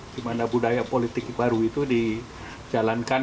di mana budaya politik baru itu dijalankan